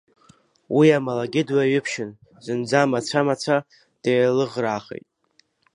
Уи амалагьы дуаҩаԥшьын зынӡа мацәа-мацәа деилыӷраахеит.